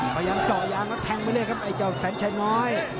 พยายามเจาะยางแล้วแทงไปเลยครับไอ้เจ้าแสนชัยน้อย